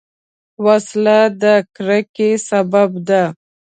وسله د کرکې سبب ده